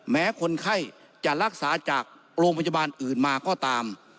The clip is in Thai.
แม้คนไข้จะรักษาจากโรงพยาบาลอื่นมาก็ตาม